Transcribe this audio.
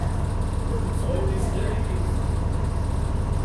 Ur ttɣimimt ara yid-sen.